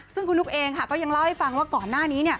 ซึ่งคุณนุ๊กเองก็ยังเล่าให้ฟังว่าก่อนหน้านี้